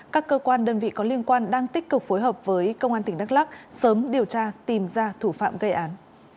các cơ quan đơn vị có liên quan đang tích cực phối hợp với công an tỉnh đắk lắc sớm điều tra tìm ra thủ phạm gây án